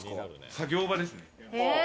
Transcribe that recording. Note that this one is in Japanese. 作業場ですね。